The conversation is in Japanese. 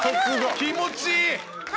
気持ちいい！